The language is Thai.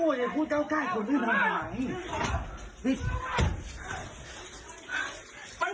โอ้โหถ้าเป็นคุณอยู่ในบ้าน